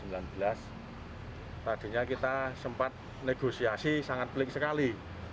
tadinya kita sempat negosiasi sangat pelik sekali